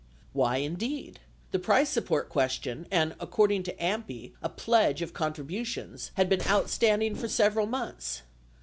63 Why, indeed ? The price support question and, according to AMPI, a pledge of contributions had been outstand ing for several months.